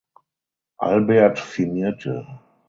Albert firmierte.